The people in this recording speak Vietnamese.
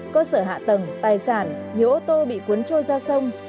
cơ sở hạ tầng tài sản nhiều ô tô bị cuốn trôi ra sông